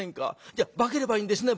じゃ化ければいいんですね